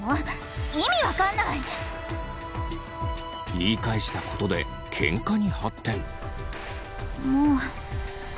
言い返したことでケンカに発展。